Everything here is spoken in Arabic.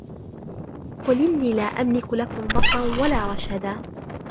قل إني لا أملك لكم ضرا ولا رشدا